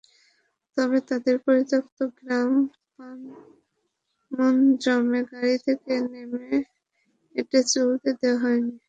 তবে তাঁদের পরিত্যক্ত গ্রাম পানমুনজমে গাড়ি থেকে নেমে হেঁটে চলতে দেওয়া হয়নি।